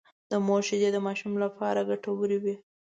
د مور شېدې د ماشوم لپاره ډېرې ګټورې وي